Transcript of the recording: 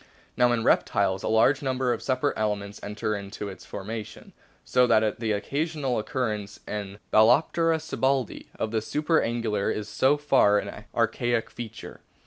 Now in reptiles a large number of separate elements enter into its formation, so that the occasional occurrence in Balcenoptera sibbaldii of the supra angular is so far an archaic feature.